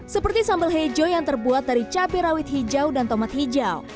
seperti sambal hijau yang terbuat dari cabai rawit hijau dan tomat hijau